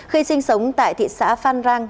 khi sinh sống tại thị xã phan rang